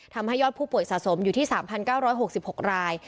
ทำให้ยอดผู้ป่วยสะสมอยู่ที่๓๙๖๖ราย